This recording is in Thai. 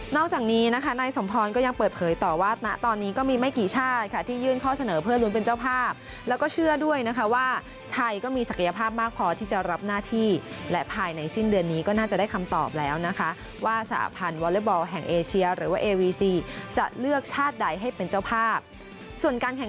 จากนี้นะคะนายสมพรก็ยังเปิดเผยต่อว่าณตอนนี้ก็มีไม่กี่ชาติค่ะที่ยื่นข้อเสนอเพื่อลุ้นเป็นเจ้าภาพแล้วก็เชื่อด้วยนะคะว่าไทยก็มีศักยภาพมากพอที่จะรับหน้าที่และภายในสิ้นเดือนนี้ก็น่าจะได้คำตอบแล้วนะคะว่าสหพันธ์วอเล็กบอลแห่งเอเชียหรือว่าเอวีซีจะเลือกชาติใดให้เป็นเจ้าภาพส่วนการแข